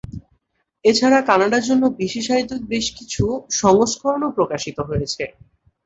এছাড়া কানাডার জন্য বিশেষায়িত বেশ কিছু সংস্করণও প্রকাশিত হয়েছে।